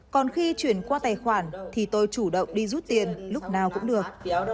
còn khi chuyển qua tài khoản thì tôi chủ động đi rút tiền lúc nào cũng được